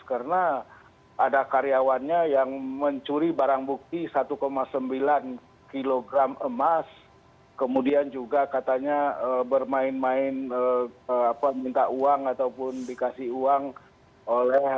karena ada karyawannya yang mencuri barang bukti satu sembilan kilogram emas kemudian juga katanya bermain main minta uang ataupun dikasih uang oleh bupati